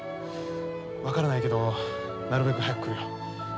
分からないけどなるべく早く来るよ。